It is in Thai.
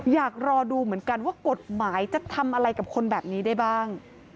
อยากรอดูเหมือนกันว่ากฎหมายจะทำอะไรกับคนแบบนี้ได้บ้าง